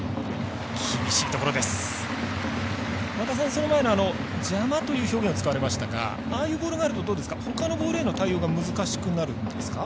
その前の「邪魔」という表現を使われましたがああいうボールがあるとほかのボールへの対応が難しくなるんですか？